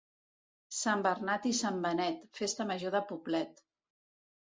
Sant Bernat i Sant Benet, festa major de Poblet.